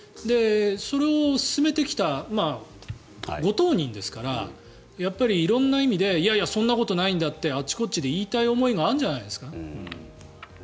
それを進めてきたご当人ですからやっぱり色んな意味でいやいやそんなことないんだってあちこちで言いたい思いがあるんじゃないですか。